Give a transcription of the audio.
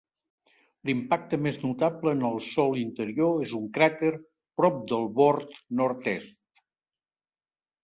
L'impacte més notable en el sòl interior és un cràter prop del bord nord-est.